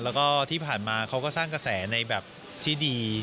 แล้วก็ที่ผ่านมาเขาก็สร้างกระแสในแบบที่ดี